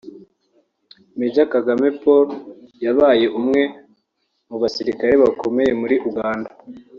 Major Kagame Paul yabaye umwe mu basirikare bakomeye muri Uganda